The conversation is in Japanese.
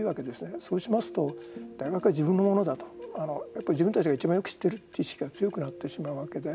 そうしますと大学は自分のものだと自分たちがいちばんよく知っているという意識が強くなってしまうわけで。